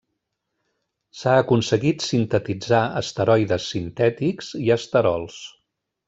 S’ha aconseguit sintetitzar esteroides sintètics i esterols.